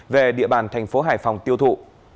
về địa bàn thành phố hải phòng tiêu thụ